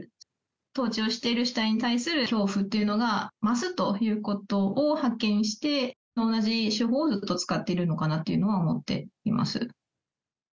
統治をしている主体に対する恐怖というのが増すということを発見して、同じ手法をずっと使っているのかなというのは思っています。